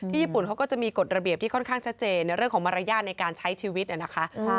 ญี่ปุ่นเขาก็จะมีกฎระเบียบที่ค่อนข้างชัดเจนในเรื่องของมารยาทในการใช้ชีวิตนะคะ